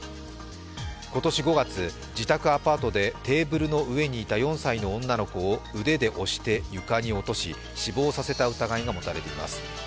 今年５月、自宅アパートでテーブルの上にいた４歳の女の子を腕で押して床に落とし死亡させた疑いが持たれています。